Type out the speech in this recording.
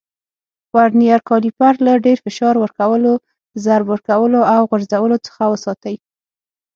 ورنیز کالیپر له ډېر فشار ورکولو، ضرب ورکولو او غورځولو څخه وساتئ.